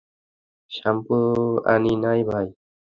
Shampoo আনি নাই, ভাই।